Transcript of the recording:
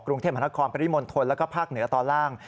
กรุงเทพฯพนักความปริมนต์ทนแล้วก็ภาคเหนือต่อล่าง